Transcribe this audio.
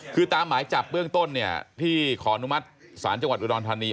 คือตามหมายจับเบื้องต้นเนี่ยที่ขออนุมัติศาลจังหวัดอุดรธานี